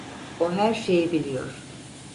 O her şeyi biliyor.